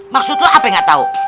maksud lu apa nggak tahu